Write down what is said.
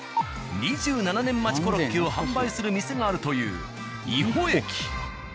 ２７年待ちコロッケを販売する店があるという伊保駅。